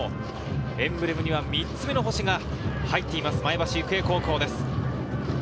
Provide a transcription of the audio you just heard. エンブレムには３つ目の星が入っています、前橋育英高校です。